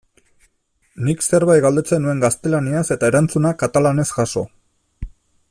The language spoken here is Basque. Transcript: Nik zerbait galdetzen nuen gaztelaniaz eta erantzuna katalanez jaso.